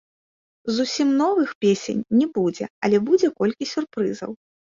Зусім новых песень не будзе, але будзе колькі сюрпрызаў.